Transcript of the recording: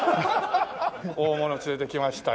大物を連れてきましたよ。